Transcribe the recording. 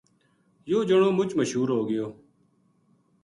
یوہ جنو مچ مشہور ہوگیو